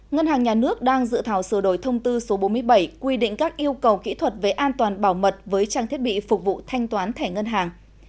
ngân hàng nhà nước đang dự thảo sửa đổi thông tư số bốn mươi bảy quy định các yêu cầu kỹ thuật về an toàn bảo mật với trang thiết bị phục vụ thanh toán thẻ ngân hàng